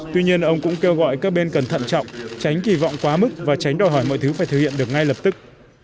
tuy nhiên ông cũng kêu gọi các bên cần thận trọng tránh kỳ vọng quá mức và tránh đòi hỏi mọi thứ phải thực hiện được ngay lập tức